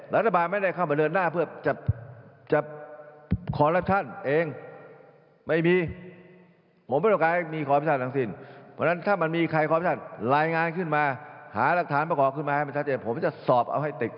ระยะที่๓ในปี๒๕๖๔